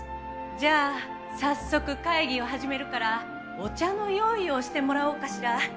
じゃあ早速会議を始めるからお茶の用意をしてもらおうかしら。